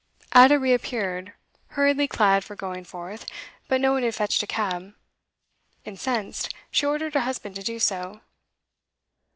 Ada reappeared, hurriedly clad for going forth; but no one had fetched a cab. Incensed, she ordered her husband to do so.